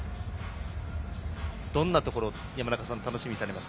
どんなところを楽しみにされますか。